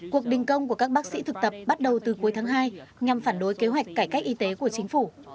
cuộc đình công của các bác sĩ thực tập bắt đầu từ cuối tháng hai nhằm phản đối kế hoạch cải cách y tế của chính phủ